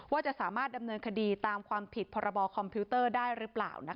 ว่าจะสามารถดำเนินคดีตามความผิดพรบคอมพิวเตอร์ได้หรือเปล่า